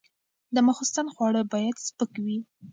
د ماخوستن خواړه باید سپک وي.